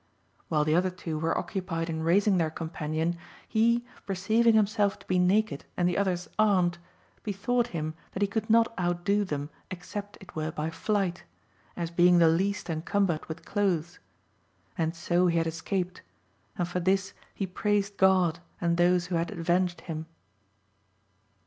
While the other two were occupied in raising their companion, he, perceiving himself to be naked and the others armed, bethought him that he could not outdo them except it were by flight, as being the least encumbered with clothes. And so he had escaped, and for this he praised God and those who had avenged him.